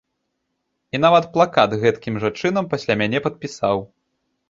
І нават плакат гэткім жа чынам пасля мне падпісаў.